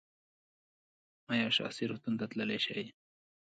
ایا شخصي روغتون ته تللی شئ؟